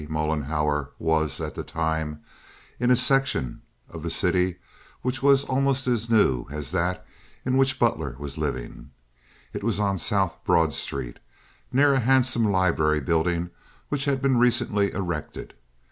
Mollenhauer was, at that time, in a section of the city which was almost as new as that in which Butler was living. It was on South Broad Street, near a handsome library building which had been recently erected.